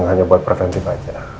hanya buat preventif aja